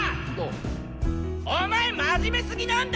お前真面目すぎなんだよ。